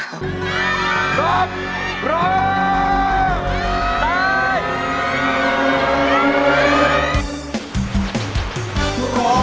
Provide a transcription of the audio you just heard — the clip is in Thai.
กรอบพร้อม